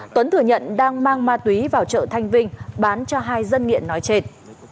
tuấn thừa nhận đang mang ma túy vào chợ thanh vinh bán cho hai dân nghiện nói trên